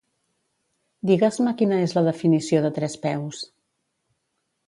Digues-me quina és la definició de trespeus.